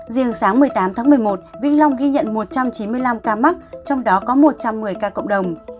riêng sáng một mươi tám tháng một mươi một vĩnh long ghi nhận một trăm chín mươi năm ca mắc trong đó có một trăm một mươi ca cộng đồng